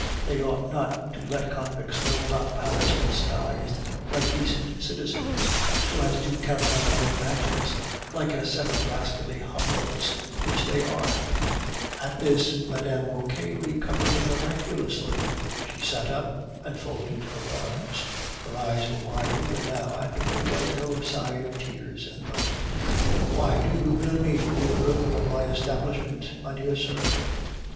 They ought not to let convicts go about Paris disguised like decent citizens, so as to carry on their antics like a set of rascally humbugs, which they are." At this Mme. Vauquer recovered miraculously. She sat up and folded her arms; her eyes were wide open now, and there was no sign of tears in them. "Why, do you really mean to be the ruin of my establishment, my dear sir?